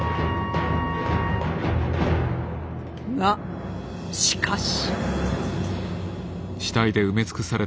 がしかし。